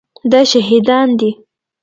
دا شهیدان دي